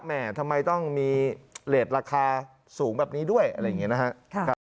ทำไมต้องมีเลสราคาสูงแบบนี้ด้วยอะไรอย่างนี้นะครับ